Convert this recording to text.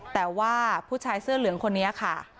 แต่ว่าผู้ชายเสื้อเหลืองคนนี้ค่ะ